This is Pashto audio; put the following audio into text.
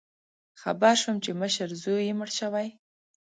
خبر شوم چې مشر زوی یې مړ شوی